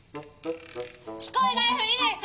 「聞こえないふりでしょ！」。